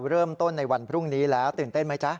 เริ่มต้นในวันพรุ่งนี้แล้วตื่นเต้นไหมจ๊ะ